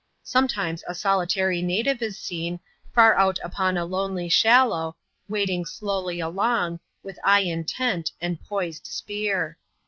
Sometimes a solitary native is seen, far out upon a lonely shallow, wading slowly along, with eye intent and poised spear.